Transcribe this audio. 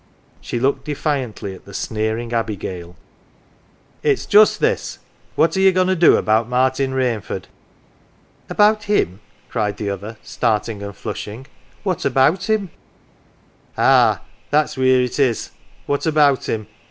She looked defiantly at the sneering abigail. " It's just this. What are ye goin' to do about Martin Rainford ?"" About him," cried the other, starting and flushing ;*' what about him ?"" Ah that's wheer it is. What about him